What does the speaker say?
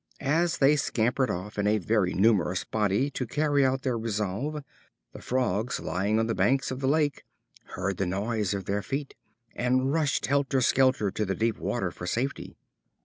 As they scampered off in a very numerous body to carry out their resolve, the Frogs lying on the banks of the lake heard the noise of their feet, and rushed helter skelter to the deep water for safety.